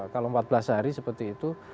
kalau empat belas hari seperti itu